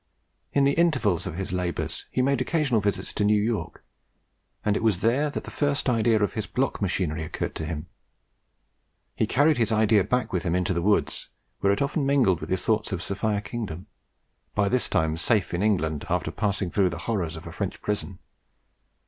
In the intervals of his labours he made occasional visits to New York, and it was there that the first idea of his block machinery occurred to him. He carried his idea back with him into the woods, where it often mingled with his thoughts of Sophia Kingdom, by this time safe in England after passing through the horrors of a French prison.